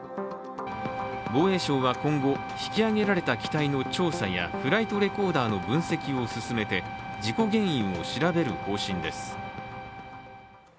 防衛省は今後、引き揚げられた機体の調査やフライトレコーダーの分析を進めて事故原因を調べる方針です。